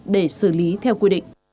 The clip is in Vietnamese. để xử lý theo quy định